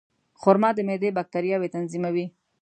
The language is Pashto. خرما د معدې باکتریاوې تنظیموي.